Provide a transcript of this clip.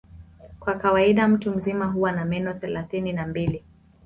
Kwa kawaida mtu mzima huwa na meno thelathini na mbili.